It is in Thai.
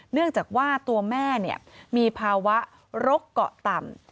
เนื่องจากว่าตัวแม่มีภาวะโรคเกาะต่ำ